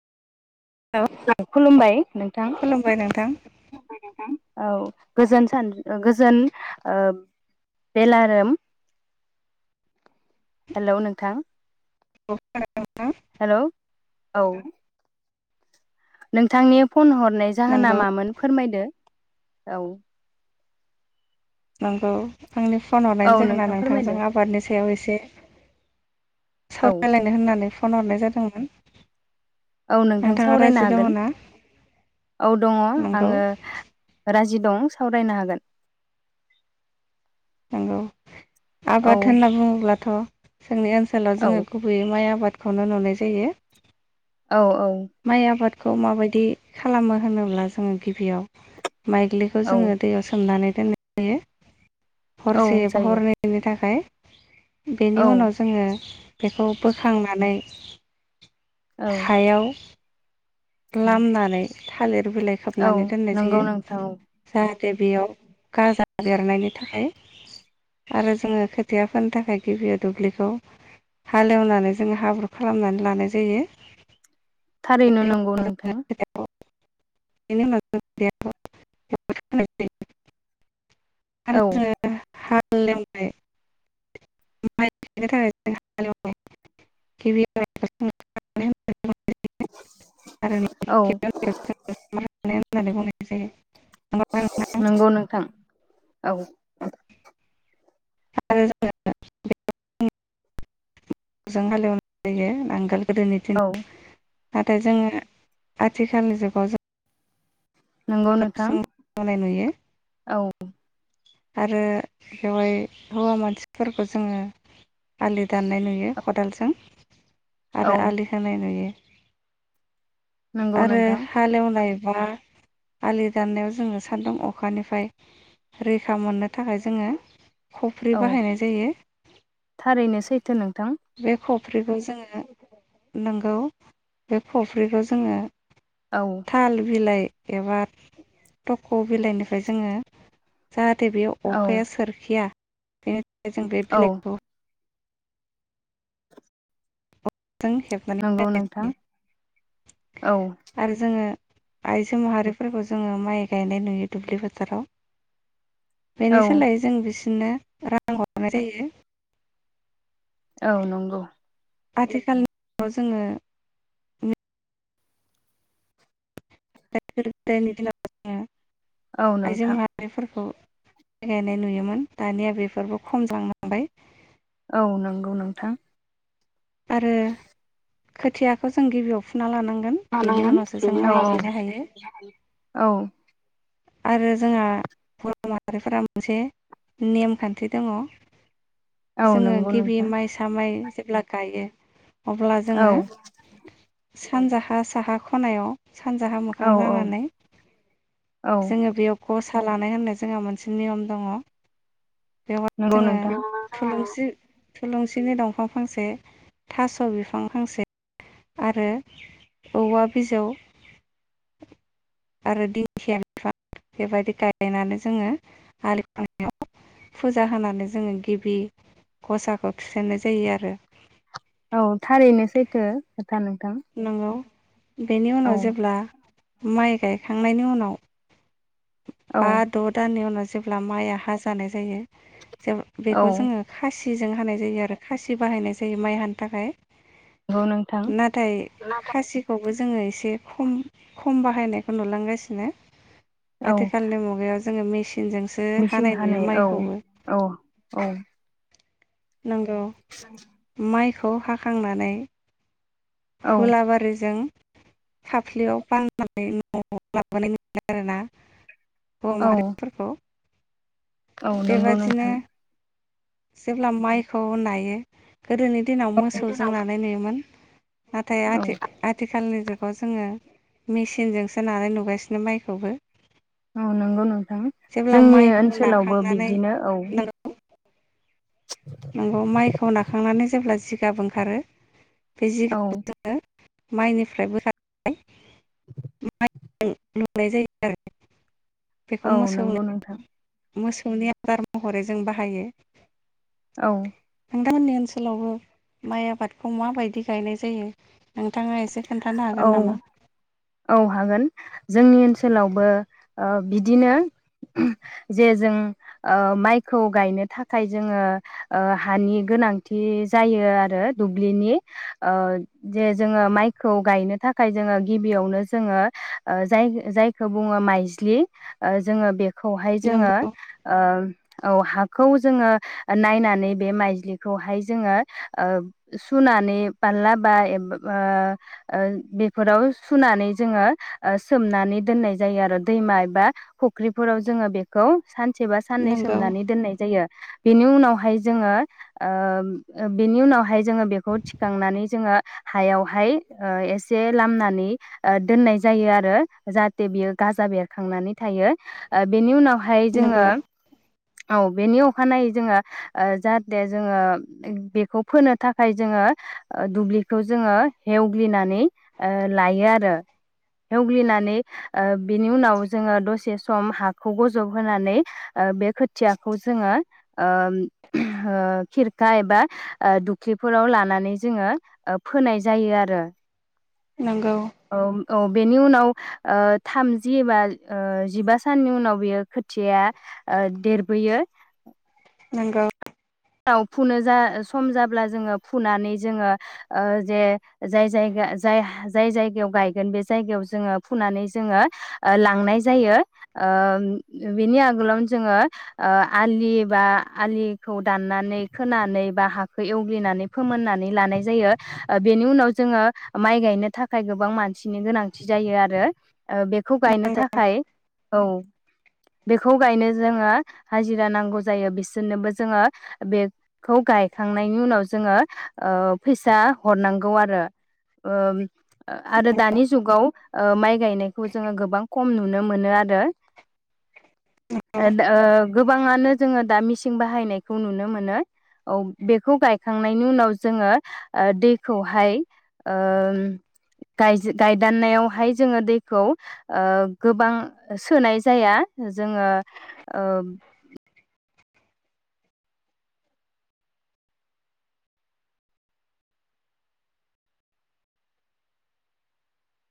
औ खुलुमबाय नोंथां खुलुमबाय नोंथां खुलुमबाय नोंथां? औ गोजोन सान गोजोन बेलारोम हेल' नोंथां औ खोनादों नोंथां। हेलौ औ नोंथांनि फन हरनाय जाहोन नंगौ मामोन फोरमायदो दे औ नंगौ आंनि फन औ हरनायनि जाहोना नोंथां फोरमायदो नोंथांजों आबादनि सायाव एसे औ सावरायलायनो होननानै फन हरनाय जादोंमोन। औ नोंथां नोंथाङा सावरायनो राजि दङ हागोन ना औ दङ नंगौ आङो राजि दं सावरायनो हागोन नंगौ औ आबाद होनना बुङोब्ला थ' जोंनि ओनसोलाव औ जोङो गुबैयै माइ आबाद बेखौनो नुनाय जायो औ-औ खौ माबायदि खालामो होनोब्ला जोङो गिबियाव माइग्लिखौ औ जोङो दैयाव सोमनानै दोननो हायो औ हरसे एबा जायो हरनैनि थाखाय बेनि औ उनाव जोङो बेखौ बोखांनानै औ हायाव लामनानै थालिर बिलाइ औ खाबनानै दोननाय जायो नंगौ नोंथां औ जा बेयाव गाजा बेरनायनि थाखाय आरो जोङो खोथियाफोरनि थाखाय गिबियाव दुब्लिखौ हालेएवनानै जोङो हाब्रु खालामनानै लानाय जायो थारैनो नंगौ नोंथां बेनि उनाव जोङो खोथिया फोनाय जायो आरो औ जोङो हाल एवबाय माय गायनो थाखाय जों हाल‌ एवबाय गिबियावनो जोङो [unintelligible] [unintelligible] औ होननानै बुंनाय जायो नंगौ नोंथां औ आरो जोङो [unintelligible] जों हालेएवनाय जायो नांगोल गोदोनि औ दिनाव नाथाय जोङो आथिखालनि जुगाव जों नंगौ नोंथां [unintelligible] नुयो औ आरो बेवहाय हौवा मानसिफोरखौ जोङो आलि दाननाय नुयो खदालजों औ आरो आलि खोनाय नुयो। नंगौ आरो नोंथां हालेएवनाय बा आलि दाननायाव जोङो सान्दुं अखानिफ्राय रैखा मोननो थाखाय जोङो खफ्रि औ बाहायनाय जायो थारैनो सैथो नोंथां बे ख खफ्रिखौ जोङो नंगौ बे खफ्रिखौ जोङो औ थाल बिलाइ एबा थख' बिलाइनिफ्राय जोङो जाहा नाथाय बेयाव औ अखाया सोरखिया [unintelligible] जों बे औ बिलाइखौ जों हेबनानै नंगौ नोंथां औ आरो जोङो आइजो माहारिफोरखौ जोङो माइ गायनाय नुयो दुब्लि फोथाराव बेनि औ सोलायै जों बेस इनो रां हरनाय जायो। औ नंगौ। आथिखालाव जोङो [unintelligible] आइजो औ नोंथां माहारिफोरखौ गायनाय नुयोमोन दानिया बेफोरबो खम जांलांबाय। औ नंगौ नोंथां। आरो खोथियाखौ जों गिबियाव फुना लानांगौ। लानांगोन औ औ औ आरो जोंहा बर' माहारिफोरा मोनसे नेमखान्थि दङ। औ जोङो नंगौ गिबि नोंथां माइसामाइ जेब्ला गायो। अब्ला औ जोङो सानजाहा साहा ख'नायाव। सानजाहा मोखां औ औ जानानै औ जोङो बेयाव ग'सा थाखा लानाय होननाय जोंहा मोनसे नियम दङ। बेवहाय नंगौ जोङो नोंथां थुलुंसि थुलुंसिनि दंफां फांसे थास' बिफां फांसे आरो औवा बिजौ आरो दिंखिया [inaudible] बेबायदि गायनानै जोङो आलि खोनायाव फुजा होनानै जोङो गिबि ग'साखौ थुसेन्नाय जायो आरो। औ थारैनो सैथो नोंथां नंगौ। बेनि औ उनाव जेब्ला माइ गायखांनायनि उनाव औ बा द' दाननि उनाव जेब्ला माइआ हा जानाय जायो जों औ बेखौ जोङो खासि खासिजों हानाय जायो आरो खासि बाहायनाय जायो माइ हानो थाखाय। नंगौ नोंथां नाथाय खासिखौबो जोङो एसे खम खम बाहायनायखौ नुलांगासिनो। औ आथिखालनि मुगायाव। जोङो मेसि मिसिं हानाय औ औ औ नोंगौ माइखौ खौ हाखांनानै औ हुलाबारिजों फाफ्लियाव बा ननानै न'आव लाबोनाय नुयो आरोना। हौवा औ माहारिफोरखौ औ नंगौ बेबादिनो नोंथां जेब्ला माइखौ नायो गोदोनि दिनाव मोसौजों नानाय नुयोमोन नाथाय औ आथि- आथिखालनि जुग बेखौ जोङो मेसिनजोंसो नानाय नुगासिनो माइखौबो। औ नंगौ नोंथां जेब्ला जोंनि माइखौ ओनसोलावबो नाखांनानै बिब्दिनो औ नंगौ माइखौ नाखांनानै जेब्ला जिगाब ओंखारो औ माइनिफ्रायबो [unintelligible] [inaudible] नुनाय जायो आरो। औ नंगौ नोंथां मोसौनि आदार महरै जों बाहायो। औ नोंथांमोननि ओनसोलावबो माइ आबादखौ माबायदि गायनाय जायो। नोंथाङा एसे खोन्थानो औ हागोन नामा? औ हागोन जोंनि ओनसोलावबो ओ बिदिनो जे जों ओ माइखौ गायनो थाखाय जोङो ओ हानि गोनांथि जायो आरो दुब्लिनि ओ जे जोङो माइखौ गायनो थाखाय जोङो गिबि गिबियावनो जोङो ओ जाय-जायखौ बुङो मायज्लि ओ जोङो बे खौहाय जोङो नंगौ औ हा खौ जोङो नायनानै बे माइज्लिखौहाय जोङो ओ सुनानै फारला बा एबा ओ बेफोराव सुनानै जोङो ओ सोमनानै दोननाय जायो आरो दैमा एबा फुख्रिफोराव जोङो बेखौ सानसे बा साननै नंगौ सोमनानै दोननाय जायो। बेनि उनावहाय जोङो ओ बेनि उनावहाय जोङो बेखौ थिखांनानै जोङो हायावहाय ओ एसे लामनानै ओ दोननाय जायो आरो जाहाथे बियो गाजा बेरखांनानै थायो। ओ बेनि उनाव हाय जोङो नंगौ औ बेनि अखानायै जोङो ओ जाहाथे जोङो बेखौ फोनो थाखाय जोङो दुब्लिखौ जोङो एवग्लिनानै ओ लायो। आरो एवग्लिनानै ओ बिनि उनाव जोङो दसे सम हाखौ गजब होनानै बे खोथियाखौ जोङो ओ ओ खिरखा एबा ओ दुब्लिफोराव लानानै जोङो ओ फोनाय जायो आरो। नंगौ औ औ बेनि उनाव ओ थामजि एबा ओ जिबा साननि उनाव बेयो खोथियाया ओ देरबोयो। नंगौ राव फुनो जा सम जाब्ला जोङो फुनानै जोङो अ जे जाय जायगा जाय जाय जायगायाव गायगोन बे जायगायाव जोङो फुनानै जोङो अ लांनाय जायो अ बेनि आगोलावनो जोङो अ आलि बा आलिखौ दाननानै खोनानै बा हाखौ एवग्लिनानै फोमोननानै लानाय जायो अ बेनि उनाव जोङो माइ गायनो थाखाय गोबां मानसिनि गोनांथि जायो आरो अ बेखौ गायनो थाखाय औ बेखौ गायनो जोङो हाजिरा नांगौ जायो बिसोरनोबो जोङो बेखौ गायखांनायनि उनाव जोङो अ फैसा हरनांगौ आरो अ आरो दानि जुगाव अ माइ गायनायखौ जोङो गोबां खम नुनो मोनो आरो अ गोबाङानो जोङो दा मिसिं बाहायनाय खौ नुनो मोनो औ बेखौ गायखांनायनि उनाव जोङो अ दैखौहाय उ गायजे गायदाननायावहाय जोङो दैखौ अ गोबां सोनाय जाया जोङो